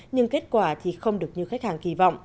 nhưng kết quả thì không được như khách hàng kỳ vọng